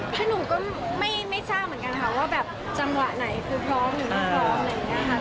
ก็ไม่ทราบเหมือนกันว่าแจ้งหวะไหนคือพร้อมหรือไม่พร้อม